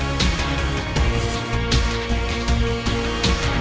อัพธุมศาสตร์ครู